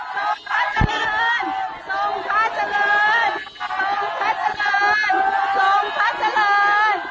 สงฆาตเจริญสงฆาตเจริญสงฆาตเจริญ